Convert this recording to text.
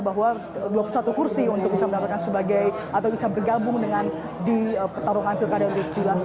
bahwa dua puluh satu kursi untuk bisa mendapatkan sebagai atau bisa bergabung dengan di pertarungan pilkada yang dikulas